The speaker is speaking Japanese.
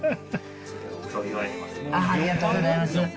ありがとうございます。